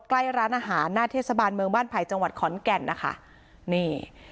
ใกล้ร้านอาหารหน้าเทศบาลเมืองบ้านไผ่จังหวัดขอนแก่นนะคะนี่